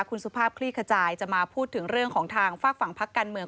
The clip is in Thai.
คุณสุภาพคลี่ขจายจะมาพูดถึงเรื่องของทางฝากฝั่งพักการเมือง